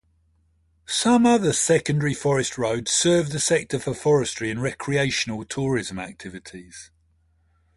Some other secondary forest roads serve the sector for forestry and recreational tourism activities.